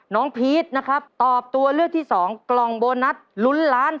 พีชนะครับตอบตัวเลือกที่สองกล่องโบนัสลุ้นล้าน